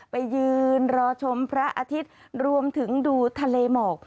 ไปยืนรอชมพระอาทิตย์รวมถึงดูทะเลหมอก